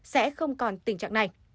sẽ không còn tình trạng này